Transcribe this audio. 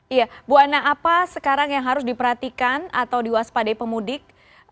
iya bu anna apa sekarang yang harus diperhatikan atau diwaspadai pemudik